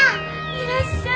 いらっしゃい。